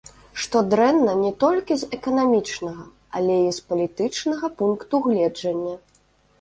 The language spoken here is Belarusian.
Што дрэнна не толькі з эканамічнага, але і з палітычнага пункту гледжання.